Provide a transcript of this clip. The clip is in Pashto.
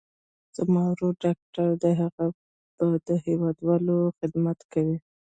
زما ورور ډاکټر دي، هغه به د هېوادوالو خدمت کوي.